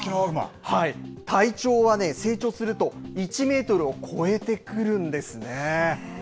体長はね、成長すると１メートルを超えてくるんですね。